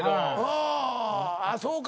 ああそうか。